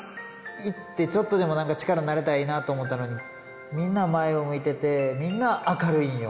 行ってちょっとでもなんか力になれたらいいなと思ったのに、みんな前を向いてて、みんな明るいんよ。